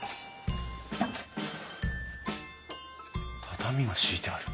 畳が敷いてある。